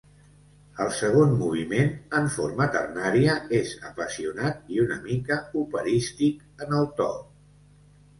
El segon moviment, en forma ternària, és apassionat i una mica operístic en el to.